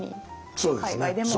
そうです。